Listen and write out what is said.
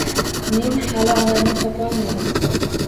Men hali onamni topolmadim